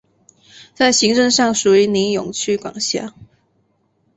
在行政上属于尼永区管辖。